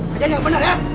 kejain yang bener ya